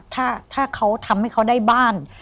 ถ้าเขาทำให้เขาได้บ้าน